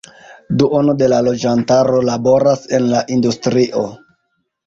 Duono de la loĝantaro laboras en la industrio.